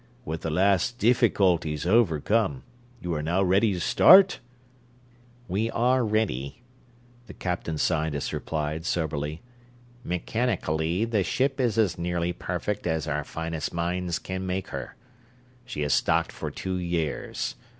With the last difficulties overcome, you are now ready to start?" "We are ready," the captain scientist replied, soberly. "Mechanically, the ship is as nearly perfect as our finest minds can make her. She is stocked for two years.